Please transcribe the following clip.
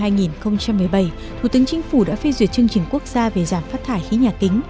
năm hai nghìn một mươi bảy thủ tướng chính phủ đã phê duyệt chương trình quốc gia về giảm phát thải khí nhà kính